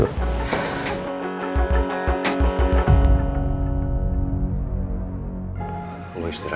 aku mengangkat versi suara